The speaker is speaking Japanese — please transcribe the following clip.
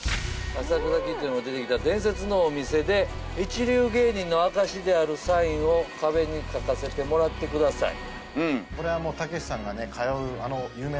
「『浅草キッド』にも出てきた伝説のお店で一流芸人の証しであるサインを壁に書かせてもらってください」